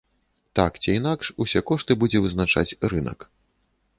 Так ці інакш, усе кошты будзе вызначаць рынак.